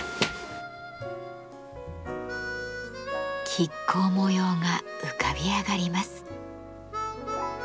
亀甲模様が浮かび上がります。